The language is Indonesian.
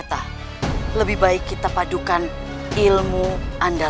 kita akan membuatmu ketemu dengan ilmu yang sama